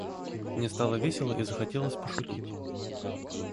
Мне стало весело и захотелось пошутить.